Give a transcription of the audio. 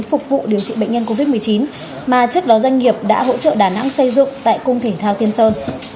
phục vụ điều trị bệnh nhân covid một mươi chín mà trước đó doanh nghiệp đã hỗ trợ đà nẵng xây dựng tại cung thể thao tiên sơn